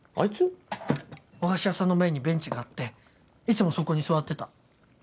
和菓子屋さんの前にベンチがあっていつもそこに座ってた。